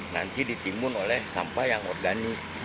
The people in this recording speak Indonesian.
nanti ditimbun oleh sampah yang organik